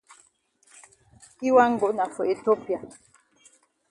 Yi wan go na for Ethiopia.